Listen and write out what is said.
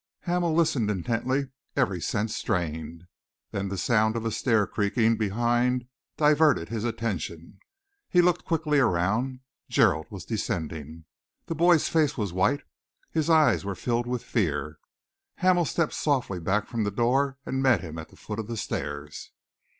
Hamel listened intently, every sense strained. Then the sound of a stair creaking behind diverted his attention. He looked quickly around. Gerald was descending. The boy's face was white, and his eyes were filled with fear. Hamel stepped softly back from the door and met him at the foot of the stairs.